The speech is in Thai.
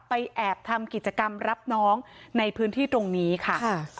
แอบทำกิจกรรมรับน้องในพื้นที่ตรงนี้ค่ะ